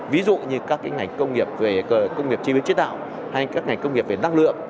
ví dụ như các ngành công nghiệp về công nghiệp chế biến chế tạo hay các ngành công nghiệp về năng lượng